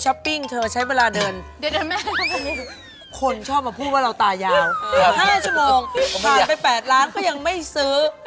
ก่อนไป๘ล้านเขายังไม่ซื้อ